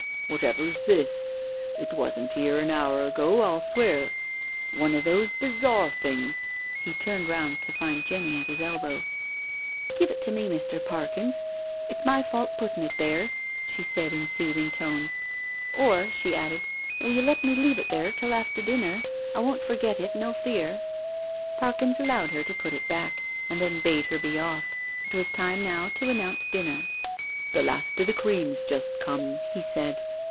" Whatever's this? It wasn't 'ere an hour ago, I'll swear. .•• One of those bazaar things I " He turned round to find Jenny at his elbow. " Give it to me, Mr. Parkins. It's my fault putting it there," she said in soothing tones. " Or," she added, " will you let me leave it here till after dinner? I won't forget it, no fear," Parkins allowed her to put it back, and then bade her be off. It was time now to announce dinner. " The last of the cream's just come," he said..